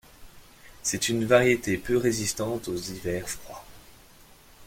C'est une variété peu résistante aux hivers froids.